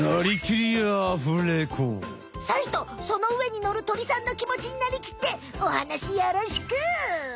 サイとその上に乗る鳥さんのきもちになりきっておはなしよろしく！